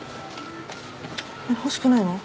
欲しくないの？